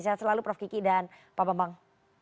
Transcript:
sehat selalu prof kiki dan pak bambang